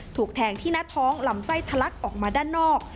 ถูกแทงที่หน้าท้องลำไส้ทะลักออกมาด้านนอก